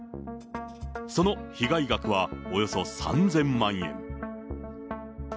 その被害額はおよそ３０００万円。